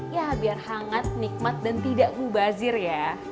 ya biar hangat nikmat dan tidak mubazir ya